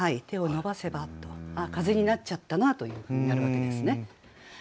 「手を伸ばせば」とあっ風になっちゃったなという句になるわけですね。